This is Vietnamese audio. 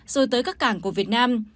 rồi tới các cảng của việt nam